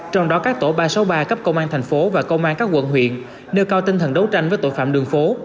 trong đó các tổ ba trăm sáu mươi ba cấp công an thành phố và công an các quận huyện nêu cao tinh thần đấu tranh với tội phạm đường phố